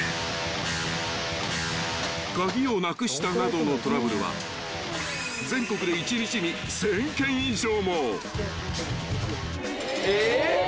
［鍵をなくしたなどのトラブルは全国で一日に１，０００件以上も］